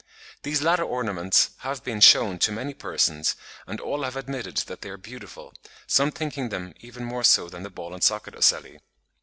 These latter ornaments have been shewn to many persons, and all have admitted that they are beautiful, some thinking them even more so than the ball and socket ocelli.